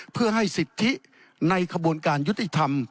เพื่อให้สิทธิในขบวนการยุติธรรม